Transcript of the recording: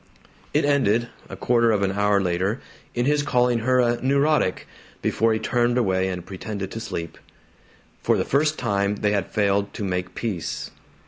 It ended, a quarter of an hour later, in his calling her a "neurotic" before he turned away and pretended to sleep. For the first time they had failed to make peace.